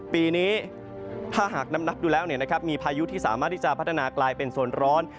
ปีนี้ถ้าหากนับดูแล้วมีพายุที่สามารถที่จะพัฒนากลายเป็นโซนร้อน